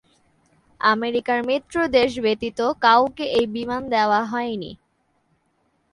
আমেরিকার মিত্র দেশ ব্যতীত কাউকে এই বিমান দেয়া হয়নি।